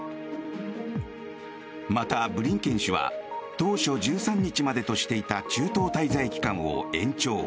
また、ブリンケン氏は当初１３日までとしていた中東滞在期間を延長。